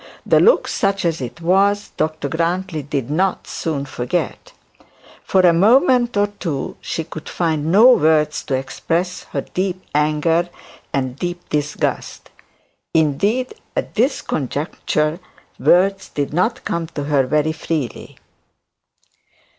The look, such as it was, Dr Grantly did not soon forget. For a moment or two she could find no words to express her deep anger and deep disgust; and, indeed, at this conjuncture, words did not come to her very freely.